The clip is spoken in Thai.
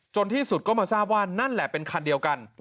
ที่สุดก็มาทราบว่านั่นแหละเป็นคันเดียวกัน